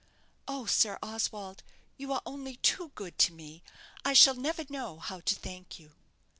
"Oh, Sir Oswald, you are only too good to me. I shall never know how to thank you."